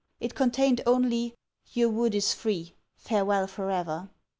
It contained only, 'your wood is free: farewel for ever.'